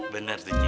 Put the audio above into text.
bener tuh cik